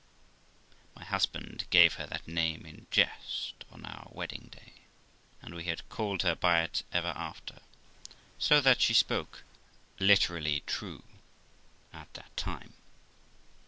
N.B. My husband gave her that name in jest on our wedding day, and we had called her by it ever after; so that she spoke literally true at that time.